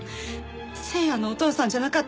誠也のお父さんじゃなかったんだ。